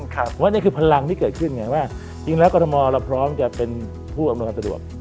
เพราะว่านี่คือพลังที่เกิดขึ้นไงว่าจริงแล้วกรทมเราพร้อมจะเป็นผู้อำนวยความสะดวก